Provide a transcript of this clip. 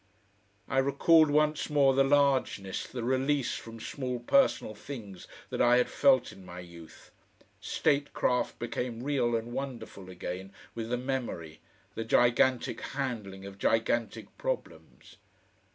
I recalled once more the largeness, the release from small personal things that I had felt in my youth; statecraft became real and wonderful again with the memory, the gigantic handling of gigantic problems.